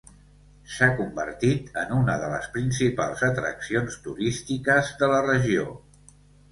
S'ha convertit en una de les principals atraccions turístiques de la regió.